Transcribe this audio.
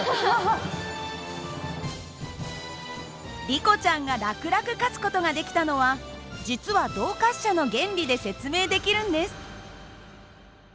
リコちゃんが楽々勝つ事ができたのは実は動滑車の原理で説明できるんです。